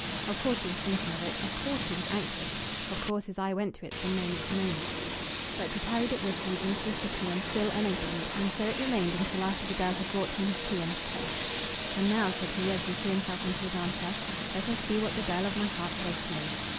Of course he was thinking of it, of course he was anxious, of course his eye went to it from moment to moment. But he carried it with him into the sitting room still unopened, and so it remained until after the girl had brought him his tea and his toast. "And now," said he, as he threw himself into his arm chair, "let us see what the girl of my heart says to me."